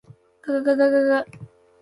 がががががが